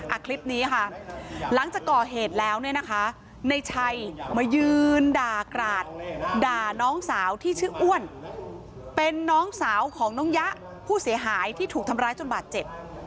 คลิปนี้ค่ะหลังจากก่อเหตุแล้วเนี่ยนะคะในชัยมายืนด่ากราดด่าน้องสาวที่ชื่ออ้วนเป็นน้องสาวของน้องยะผู้เสียหายที่ถูกทำร้ายจนบาดเจ็บ